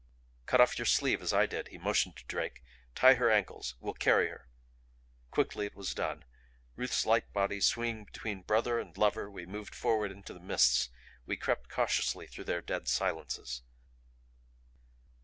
"Cut off your sleeve, as I did," he motioned to Drake. "Tie her ankles. We'll carry her." Quickly it was done. Ruth's light body swinging between brother and lover, we moved forward into the mists; we crept cautiously through their dead silences.